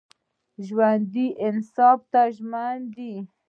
ژوندي انصاف ته ژمن دي